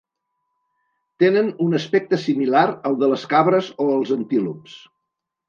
Tenen un aspecte similar al de les cabres o els antílops.